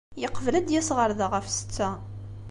Yeqbel ad d-yas ɣer da ɣef ssetta.